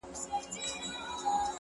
اوس له كندهاره روانـېـــږمه _